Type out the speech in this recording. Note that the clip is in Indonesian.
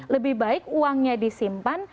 lebih baik uangnya disimpan